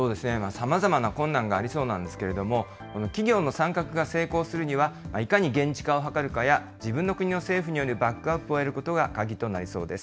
さまざまな困難がありそうなんですけれども、企業の参画が成功するには、いかに現地化を図るかや自分の国の政府によるバックアップを得ることが鍵となりそうです。